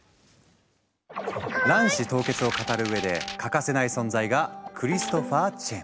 卵子凍結を語る上で欠かせない存在がクリストファー・チェン。